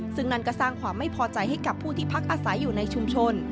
ซึ่งนั่นก็สร้างความไม่พอใจให้กับผู้ที่พักอาศัยอยู่ในชุมชน